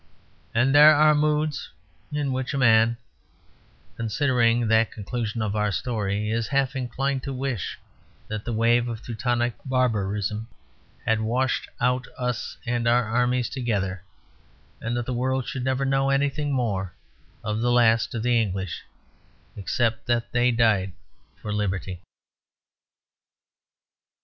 And there are moods in which a man, considering that conclusion of our story, is half inclined to wish that the wave of Teutonic barbarism had washed out us and our armies together; and that the world should never know anything more of the last of the English, except that they died for liberty.